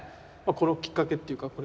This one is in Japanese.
このきっかけっていうかこれは？